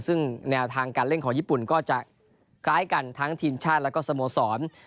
ซึ่งแนวทางการเล่นของญี่ปุ่นก็จะคล้ายกันทั้งทีมชาติและก็สโมสร